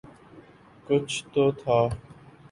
کچھ تو تھا۔